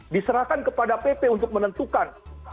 diserahkan kepada pp untuk menentukan